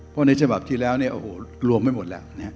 เพราะในฉบับที่แล้วเนี่ยโอ้โหรวมไม่หมดแล้ว